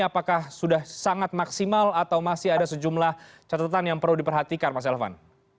apakah sudah sangat maksimal atau masih ada sejumlah catatan yang perlu diperhatikan mas elvan